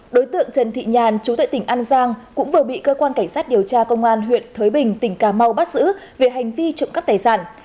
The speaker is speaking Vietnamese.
đối tượng trần thị nhàn chú tại tỉnh an giang cũng vừa bị cơ quan cảnh sát điều tra công an huyện thới bình tỉnh cà mau bắt giữ về hành vi trộm cắp tài sản